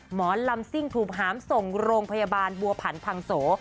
หมอลำซิ่งถูกหามส่งโรงพยาบาลบัวผันพังโส